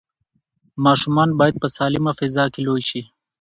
ماشومان باید په سالمه فضا کې لوی شي.